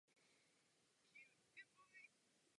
Vstupní vrata jsou v barokním stylu s původními závěsy.